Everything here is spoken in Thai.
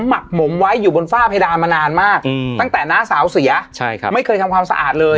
หมักหมมไว้อยู่บนฝ้าเพดานมานานมากตั้งแต่น้าสาวเสียไม่เคยทำความสะอาดเลย